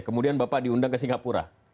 kemudian bapak diundang ke singapura